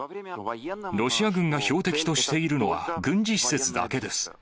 ロシア軍が標的としているのは、軍事施設だけです。